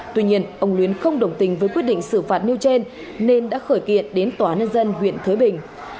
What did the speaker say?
tuy nhiên ông luyến không đồng tình với quyết định xử phạt nêu trên nên đã khởi kiện đến tòa nhân dân huyện thới bình